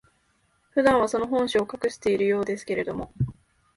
普段は、その本性を隠しているようですけれども、